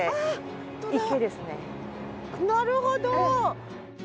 なるほど！